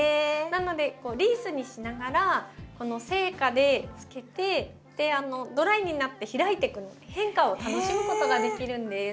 なのでリースにしながら生花でつけてドライになって開いてく変化を楽しむことができるんです。